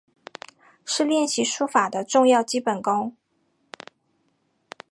是练习书法的重要基本功。